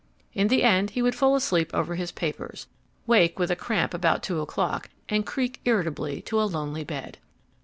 In the end he would fall asleep over his papers, wake with a cramp about two o'clock, and creak irritably to a lonely bed.